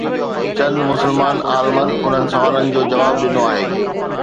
چند مسلمان عالمن انهن سوالن جو جواب ڏنو آهي.